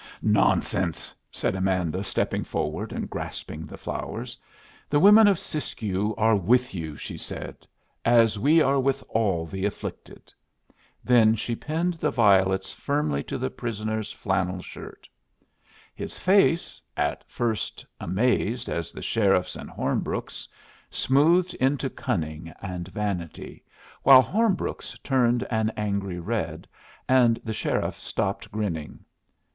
"Nonsense," said Amanda, stepping forward and grasping the flowers. "The women of Siskiyou are with you," she said, "as we are with all the afflicted." Then she pinned the violets firmly to the prisoner's flannel shirt. His face, at first amazed as the sheriff's and Hornbrook's, smoothed into cunning and vanity, while Hornbrook's turned an angry red, and the sheriff stopped grinning.